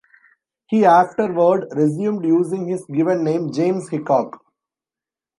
He afterward resumed using his given name, James Hickok.